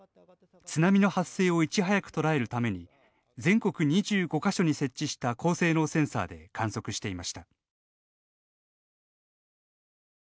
津波の発生をいち早く捉えるために全国２５か所に設置した高性能センサーで観測していました。